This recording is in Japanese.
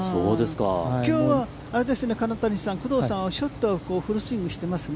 きょうはあれですね、金谷さん、工藤さん、ショットはフルスイングしていますね。